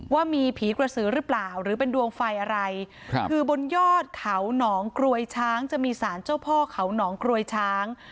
ว่ามีผีกระสือหรือเปล่าหรือเป็นดวงไฟอะไรครับคือบนยอดเขาหนองกรวยช้างจะมีสารเจ้าพ่อเขาหนองกรวยช้าง